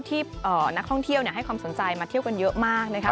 ที่นักท่องเที่ยวให้ความสนใจมาเที่ยวกันเยอะมากนะคะ